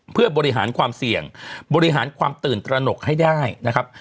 เพื่อบริหารความเสี่ยงบริหารความตื่นตระหนกให้ได้นะครับ